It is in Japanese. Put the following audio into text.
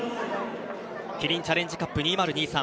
キリンチャレンジカップ２０２３。